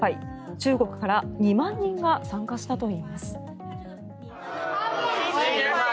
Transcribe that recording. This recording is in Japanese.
中国から２万人が参加したといいます。